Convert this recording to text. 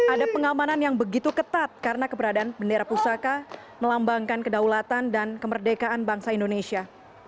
ada pengamanan yang begitu ketat karena keberadaan bendera pusaka melambangkan kedaulatan dan kemerdekaan bangsa indonesia